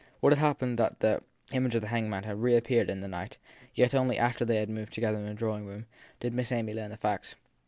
What had happened was that the image of the hanged man had reap peared in the night ; yet only after they had moved together to the drawing room did Miss Amy learn the facts.